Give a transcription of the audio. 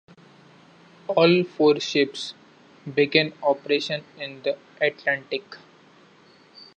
All four ships began operations in the Atlantic.